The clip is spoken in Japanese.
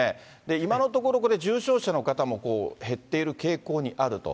今のところ、重症者の方も減っている傾向にあると。